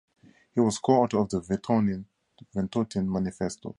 He was co-author of the Ventotene Manifesto.